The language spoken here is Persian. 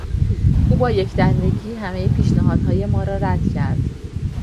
او با یکدندگی همهی پیشنهادهای ما را رد کرد.